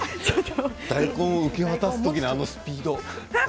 大根を受け渡す時のあのスピード。